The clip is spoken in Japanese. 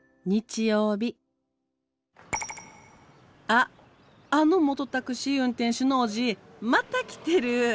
あっあの元タクシー運転手のおじいまた来てる！